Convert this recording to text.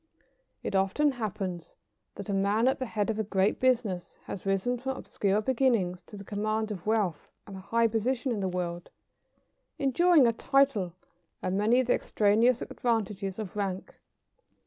It often happens that a man at the head of a great business has risen from obscure beginnings to the command of wealth and a high position in the world, enjoying a title and many of the extraneous advantages of rank.